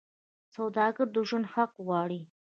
سوالګر د ژوند حق غواړي